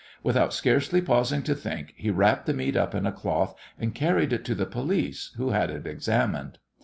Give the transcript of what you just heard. Without scarcely pausing to think, he wrapped the meat up in a cloth, and carried it to the police, who had it examined.